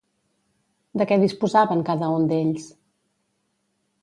De què disposaven cada un d'ells?